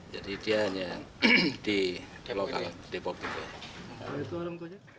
jadi dia hanya di lokal di pokoknya